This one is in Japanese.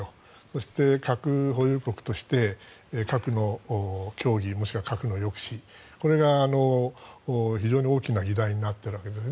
そして核保有国として核の協議もしくは核の抑止これが非常に大きな議題になっているわけです。